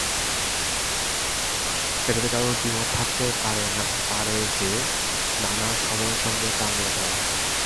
এটাতে কারও দ্বিমত থাকতে পারে যে, নানা সময়ের সঙ্গে তাল মেলাতে হবে।